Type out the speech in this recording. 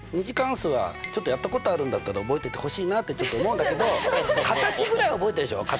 「２次関数」はちょっとやったことあるんだったら覚えててほしいなってちょっと思うんだけど形ぐらい覚えてるでしょ？